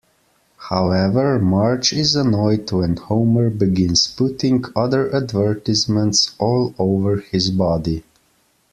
However, Marge is annoyed when Homer begins putting other advertisements all over his body.